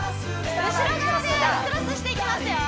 後ろ側でクロスしていきますよ